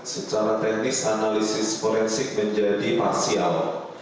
secara teknis analisis forensik menjadi parsial